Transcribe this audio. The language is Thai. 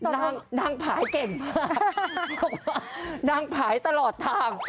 นางผลายเก่งมากเพราะว่านางผลายตลอดทาง